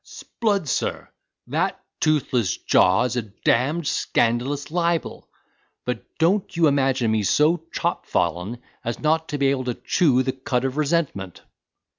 "Sblood! sir, that toothless jaw is a d—ned scandalous libel—but don't you imagine me so chopfallen as not to be able to chew the cud of resentment."